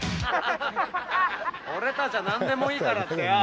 俺たちは何でもいいからってよ